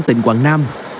tỉnh quảng nam